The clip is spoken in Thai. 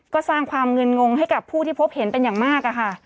ก็สร้างความเงินงงให้กับผู้ที่พบเห็นเป็นอย่างมากค่ะ